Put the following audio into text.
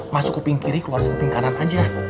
masuk ke ping kiri keluar sekeping kanan aja